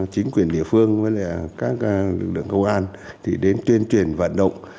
chính quyền địa phương với các lực lượng công an đến tuyên truyền vận động